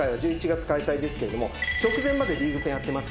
１１月開催ですけど直前までリーグ戦やってますから。